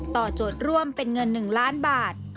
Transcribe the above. โจทย์ร่วมเป็นเงิน๑ล้านบาท